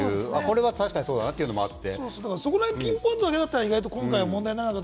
これは確かにそうだなというのもあって。